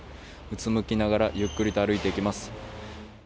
うつむきながらゆっくりと歩いて行きます。